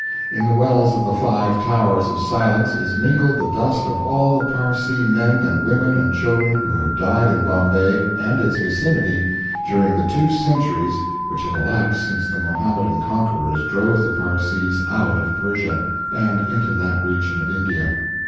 In the wells of the Five Towers of Silence is mingled the dust of all the Parsee men and women and children who have died in Bombay and its vicinity during the two centuries which have elapsed since the Mohammedan conquerors drove the Parsees out of Persia, and into that region of India.